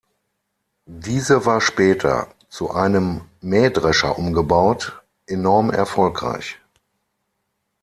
Diese war später, zu einem Mähdrescher umgebaut, enorm erfolgreich.